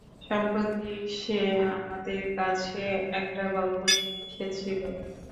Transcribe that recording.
সম্প্রতি, সে আমাদের কাছে একটা গল্প নিয়ে এসেছিল।